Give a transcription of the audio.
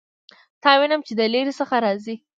تا وینم چې د لیرې څخه راځې